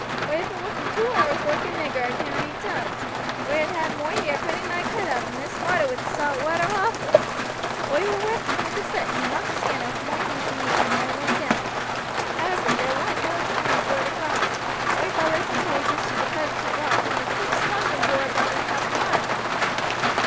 Oi had been working two hours loike a nigger a carrying tubs. Oi had had moi ear pretty nigh cut off, and it smarted wi' the salt water awful. Oi war wet from head to foot and had knocked the skin off moi hands and knees when oi went down. However there warn't no toime vor to grumble. Oi vollers him till we gets to t' foot o' t' rocks, and we keeps along 'em vor aboot half a mile.